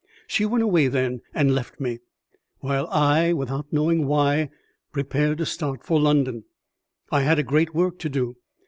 She went away then and left me; while I, without knowing why, prepared to start for London. I had a great work to do.